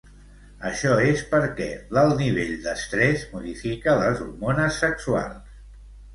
Això és perquè l'alt nivell d'estrès modifica les hormones sexuals.